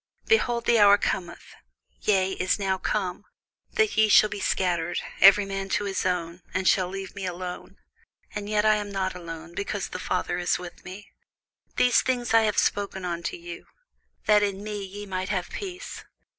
Behold, the hour cometh, yea, is now come, that ye shall be scattered, every man to his own, and shall leave me alone: and yet I am not alone, because the Father is with me. These things I have spoken unto you, that in me ye might have peace.